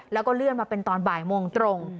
แล้วก็เลื่อนมาเป็นตอนบ่ายโมงตรง